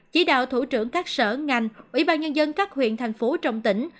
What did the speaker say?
chỉ đạo thủ trưởng các sở ngành ủy ban nhân dân các huyện thành phố trong tỉnh